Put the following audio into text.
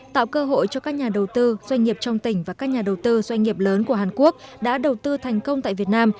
tạo cơ hội cho các nhà đầu tư doanh nghiệp trong tỉnh và các nhà đầu tư doanh nghiệp lớn của hàn quốc đã đầu tư thành công tại việt nam